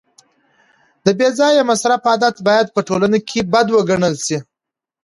د بې ځایه مصرف عادت باید په ټولنه کي بد وګڼل سي.